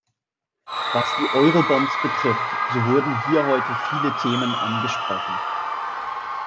Was die Eurobonds betrifft, so wurden hier heute viele Themen angesprochen.